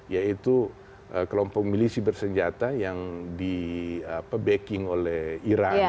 yaitu kelompok milisi bersenjata yang di backing oleh iran